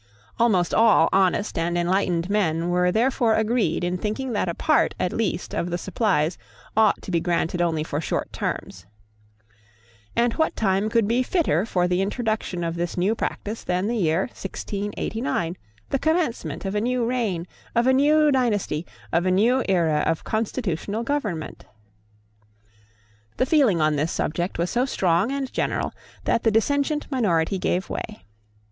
Almost all honest and enlightened men were therefore agreed in thinking that a part at least of the supplies ought to be granted only for short terms. And what time could be fitter for the introduction of this new practice than the year 1689, the commencement of a new reign, of a new dynasty, of a new era of constitutional government? The feeling on this subject was so strong and general that the dissentient minority gave way.